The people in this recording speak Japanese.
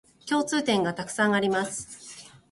共通点がたくさんあります